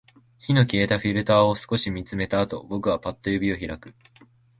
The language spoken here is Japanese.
火の消えたフィルターを少し見つめたあと、僕はパッと指を開く